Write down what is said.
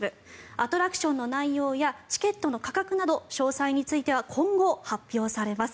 アトラクションの内容やチケットの価格など詳細については今後、発表されます。